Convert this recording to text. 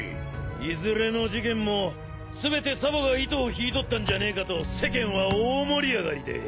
いずれの事件も全てサボが糸を引いとったんじゃねえかと世間は大盛り上がりで。